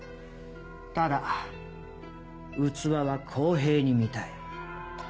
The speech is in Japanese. ただ器は公平に見たい。